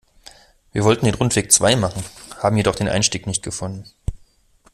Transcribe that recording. Wir wollten den Rundweg zwei machen, haben jedoch den Einstieg nicht gefunden.